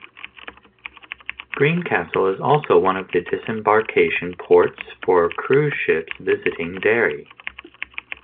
Greencastle is also one of the disembarkation ports for cruise ships visiting Derry.